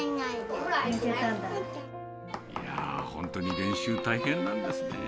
いやー、本当に練習大変なんですね。